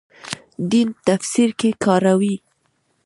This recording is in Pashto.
دین تفسیر کې کاروي.